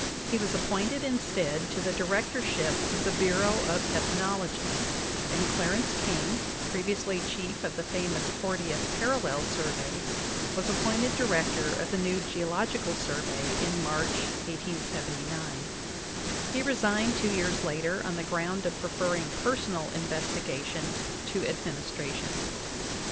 He was appointed instead to the director ship of the Bureau of Ethnology, and Clarence King, previ ously chief of*the famous Fortieth Parallel Survey, was ap pointed Director of the new Geological Survey in March, 1879 ; l le resigned two years later on the ground of preferring personal investigation to administration.